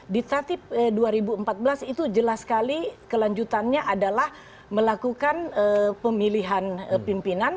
di tatip dua ribu empat belas itu jelas sekali kelanjutannya adalah melakukan pemilihan pimpinan